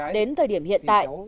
đến thời điểm hiện tại